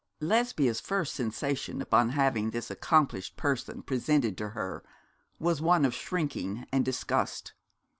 Lesbia's first sensation upon having this accomplished person presented to her was one of shrinking and disgust.